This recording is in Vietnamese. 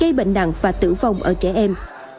gây bệnh nặng và tử vong ở trẻ em